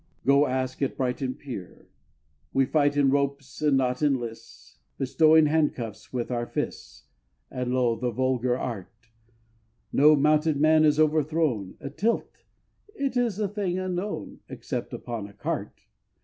Go ask at Brighton Pier. We fight in ropes, and not in lists, Bestowing hand cuffs with our fists, A low and vulgar art! No mounted man is overthrown: A tilt! it is a thing unknown Except upon a cart!